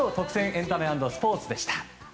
エンタメ＆スポーツでした。